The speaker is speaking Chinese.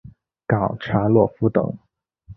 冈察洛夫等。